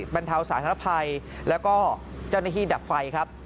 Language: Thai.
บรรเทาสาธารณภัยแล้วก็เจ้าหน้าที่ดับไฟครับ